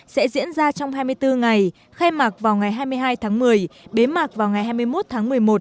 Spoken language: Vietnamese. sẽ diễn ra trong hai mươi bốn ngày khai mạc vào ngày hai mươi hai tháng một mươi bế mạc vào ngày hai mươi một tháng một mươi một